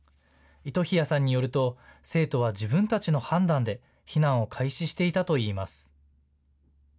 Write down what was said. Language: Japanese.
糸日谷さんによると、生徒は自分たちの判断で避難を開始していたといいます。